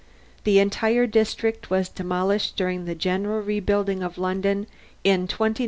"The entire district was demolished during the general rebuilding of London in 2982 2997.